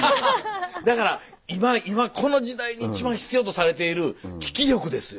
だから今この時代に一番必要とされている聞き力ですよ。